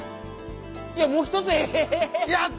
いやもう一つええっ